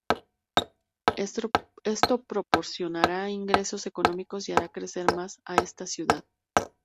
Esto proporcionará ingresos económicos y hará crecer más a esta ciudad.